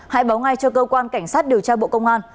hãy báo ngay cho cơ quan cảnh sát điều tra bộ công an